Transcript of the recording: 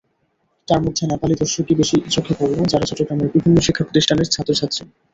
তার মধ্যে নেপালি দর্শকই বেশি চোখে গড়ল, যারা চট্টগ্রামের বিভিন্ন শিক্ষাপ্রতিষ্ঠানের ছাত্রছাত্রী।